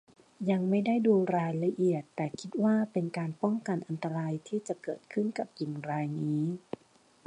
ยังไม่ได้ดูรายละเอียด แต่คิดว่าเป็นการป้องกันอันตรายที่จะเกิดขึ้นกับหญิงรายนี้